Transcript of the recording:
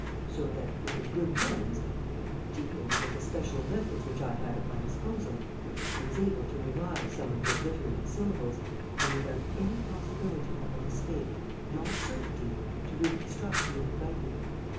"So that, with a good lens and particularly with the special methods which I have at my disposal, I was able to revive some of the obliterated syllables and, without any possibility of a mistake, in all certainty, to reconstruct the old writing.